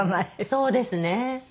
そうですね。